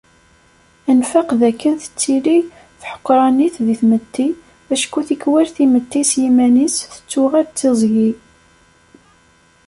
Ad nfaq d akken tettili tḥeqqṛanit di tmetti acku tikkwal timetti s yiman-is tettuɣal d tiẓgi.